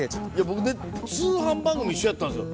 僕ね通販番組一緒やったんですよ。